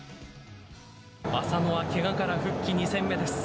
浅野はけがから復帰２戦目です。